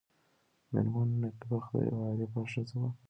مېرمن نېکبخته یوه عارفه ښځه وه.